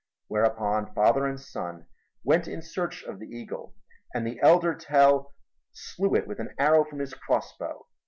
Whereupon father and son went in search of the eagle and the elder Tell slew it with an arrow from his crossbow.